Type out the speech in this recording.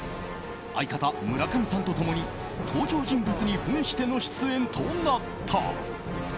相方・村上さんと共に登場人物にふんしての出演となった。